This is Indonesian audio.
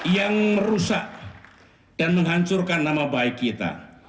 yang merusak dan menghancurkan nama baik kita